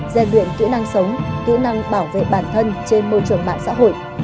gian luyện kỹ năng sống kỹ năng bảo vệ bản thân trên môi trường mạng xã hội